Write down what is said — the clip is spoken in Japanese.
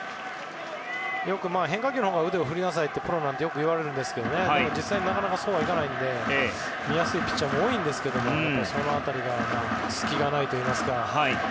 よく変化球のほうが腕を振りなさいなんてプロになったら言われるんですけど実際はなかなかそうはいかないので見やすいピッチャーも多いんですがその辺りが隙がないといいますか。